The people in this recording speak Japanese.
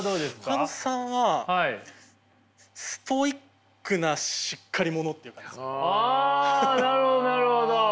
コカドさんはあなるほどなるほど。